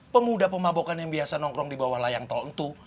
pemuda pemabokan yang biasa nongkrong di bawah layang tol entu